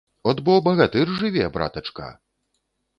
От бо багатыр жыве, братачка!